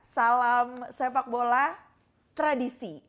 salam sepak bola tradisi